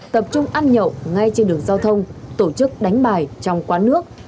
tập trung ăn nhậu ngay trên đường giao thông tổ chức đánh bài trong quán nước